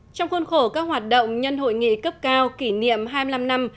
trong khuôn khổ các hoạt động nhân hội nghị cấp cao kỷ niệm hai mươi năm năm